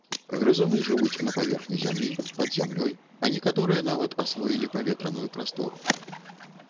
Грызуны жывуць на паверхні зямлі, пад зямлёй, а некаторыя нават асвоілі паветраную прастору.